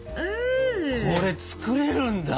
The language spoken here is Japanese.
これ作れるんだ？